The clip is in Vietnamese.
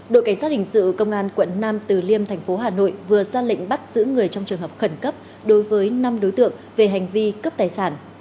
đội cảnh sát hình sự công an quận năm từ liêm tp hà nội vừa ra lệnh bắt giữ người trong trường hợp khẩn cấp đối với năm đối tượng về hành vi cấp tài sản